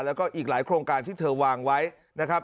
แล้วก็อีกหลายโครงการที่เธอวางไว้นะครับ